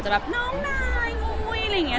จะแบบน้องนายคุ้กคุ้ก